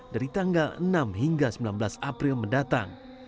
dari tanggal enam hingga sembilan belas april mendatang